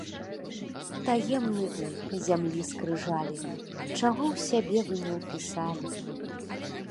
Таемны вы, зямлі скрыжалі! Чаго ў сябе вы не ўпісалі!